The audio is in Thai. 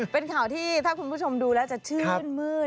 เป็นข่าวที่ถ้าคุณผู้ชมดูแล้วจะชื่นมืด